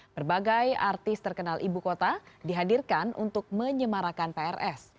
berbagai artis terkenal ibu kota dihadirkan untuk menyemarakan prs